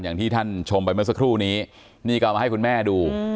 อย่างที่ท่านชมไปเมื่อสักครู่นี้นี่ก็เอามาให้คุณแม่ดู